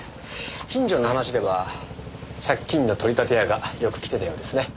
近所の話では借金の取り立て屋がよく来てたようですね。